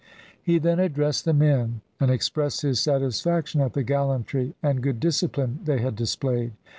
He then addressed the men, and expressed his satisfaction at the gallantry and good discipline they had displayed.